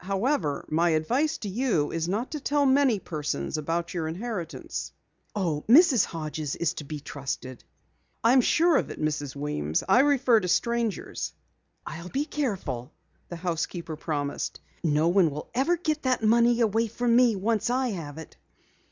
However, my advice to you is not to tell many persons about your inheritance." "Oh, Mrs. Hodges is to be trusted." "I am sure of it, Mrs. Weems. I refer to strangers." "I'll be careful," the housekeeper promised. "No one ever will get that money away from me once I have it!"